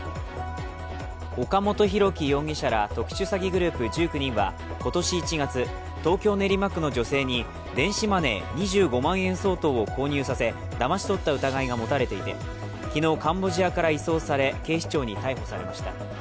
岡本大樹容疑者ら特殊詐欺グループ１９人は今年１月、東京・練馬区の女性に電子マネー２５万円相当を購入させだまし取った疑いが持たれていて、昨日カンボジアから移送され警視庁に逮捕されました。